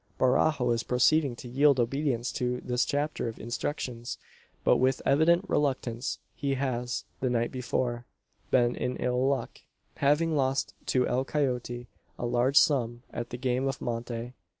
Barajo is proceeding to yield obedience to this chapter of instructions, but with evident reluctance. He has, the night before, been in ill luck, having lost to El Coyote a large sum at the game of monte.